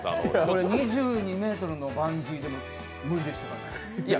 俺、２２ｍのバンジーでも無理でしたからね。